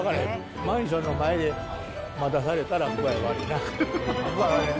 マンションの前で待たされたら具合悪いな。